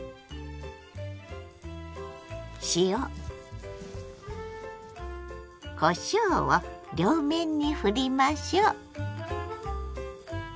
塩こしょうを両面にふりましょう。